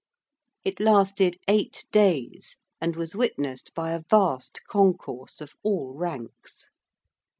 It lasted eight days, and was witnessed by a vast concourse of all ranks.